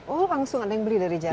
oh langsung ada yang beli dari jalan